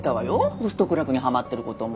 ホストクラブにはまってる事も。